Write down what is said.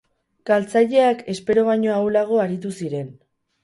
Galtzaileak espero baino ahulago aritu ziren.